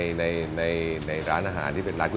จริงจริง